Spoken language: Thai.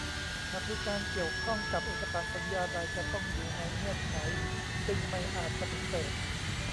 หากมีการเกี่ยวข้องกับเอกสารสัญญาใดจะต้องอยู่ในเงื่อนไขซึ่งไม่อาจปฏิเสธ